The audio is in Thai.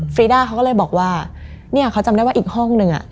ฟรีด้าเขาก็เลยบอกว่าเนี่ยเขาจำได้ว่าอีกห้องนึงอ่ะ